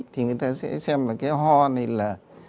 thì người ta sẽ xem là cái ho này là